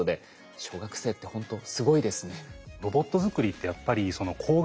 小学生ってほんとすごいですね。